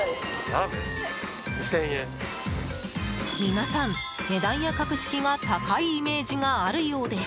皆さん、値段や格式が高いイメージがあるようです。